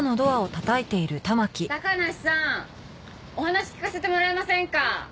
お話聞かせてもらえませんか？